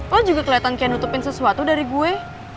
lo juga keliatan kayak nutupin sesuatu dari gue